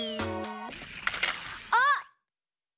あっ！